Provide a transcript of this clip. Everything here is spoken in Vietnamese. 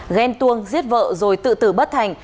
ghen tuông giết vợ rồi tự tử bất thành